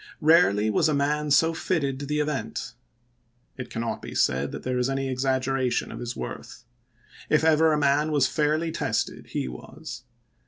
Barely was a man so fitted to the event. .. It cannot be said that there is any exaggeration of his worth. If ever a man was fairly tested, he was.